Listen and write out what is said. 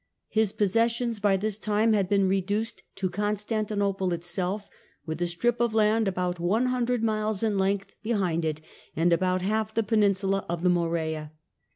His possessions by this time had been re duced to Constantinople itself with a strip of land about 100 miles in length behind it, and about half the penin sula of the Morea.